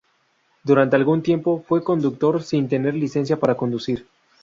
Durante algún tiempo, fue conductor sin tener licencia para conducir.